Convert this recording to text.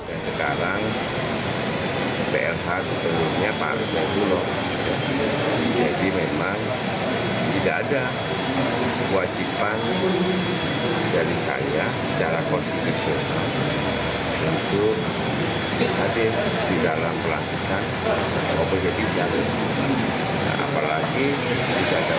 apalagi jika ada undangan